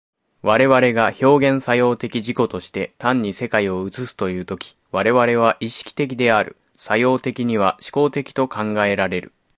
我々が表現作用的自己として単に世界を映すという時、我々は意識的である、作用的には志向的と考えられる。